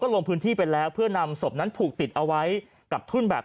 ลงพื้นที่ไปแล้วเพื่อนำศพนั้นผูกติดเอาไว้กับทุ่นแบบ